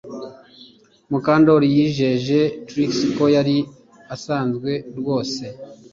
Mukandoli yijeje Trix ko yari asanzwe rwose